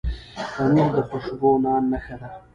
تنور د خوشبو نان نښه ده